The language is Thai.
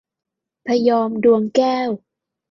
พะยอม ดวงแก้ว